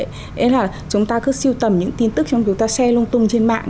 nghĩa là chúng ta cứ siêu tầm những tin tức chúng ta share lung tung trên mạng